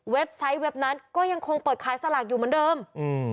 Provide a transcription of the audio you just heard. ไซต์เว็บนั้นก็ยังคงเปิดขายสลากอยู่เหมือนเดิมอืม